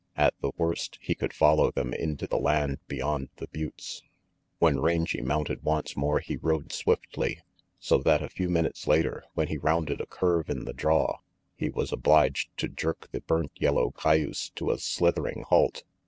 At the worst, he could follow them into the land beyond the buttes. When Rangy mounted once more he rode swiftly, so that a few minutes later, when he rounded a curve in the draw, he was obliged to jerk the burnt yellow cayuse to a slithering halt.